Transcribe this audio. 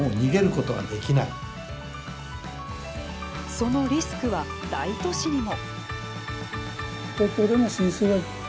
そのリスクは、大都市にも。